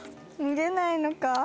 見れないのか。